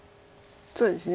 そうですね。